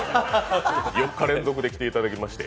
４日連続で出ていただきまして。